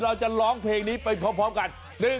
เราจะร้องเพลงนี้ไปพร้อมกัน